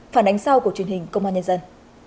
phản ánh sau của truyền hình công an nhân dân